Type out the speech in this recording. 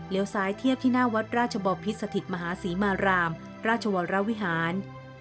แล้วซ้ายเทียบที่หน้าวัดราชบอพิษสถิตมหาศรีมารามราชวรวิหาร